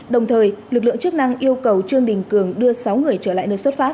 đồng thời lực lượng chức năng yêu cầu trương đình cường đưa sáu người trở lại nơi xuất phát